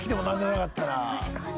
確かに。